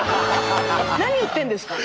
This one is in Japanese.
何言ってるんですか。